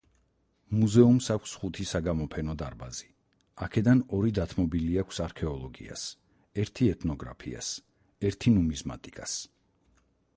მუზეუმს აქვს ხუთი საგამოფენო დარბაზი, აქედან ორი დათმობილი აქვს არქეოლოგიას, ერთი ეთნოგრაფიას, ერთი ნუმიზმატიკას.